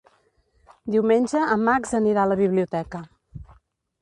Diumenge en Max anirà a la biblioteca.